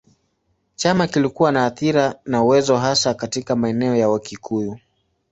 Chama kilikuwa na athira na uwezo hasa katika maeneo ya Wakikuyu.